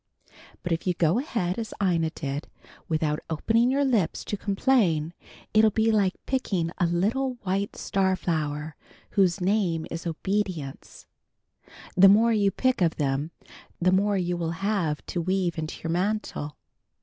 But if you go ahead as Ina did, without opening your lips to complain, it will be like picking a little white star flower whose name is obedience. The more you pick of them the more you will have to weave into your mantle.